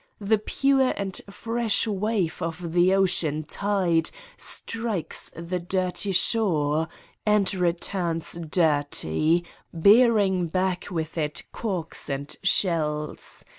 The pure and fresh wave of the ocean tide strikes the dirty shore and returns dirty, bearing back with it corks and shells.